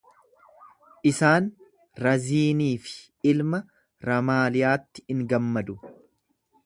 Isaan Raziinii fi ilma Ramaaliyaatti in gammadu.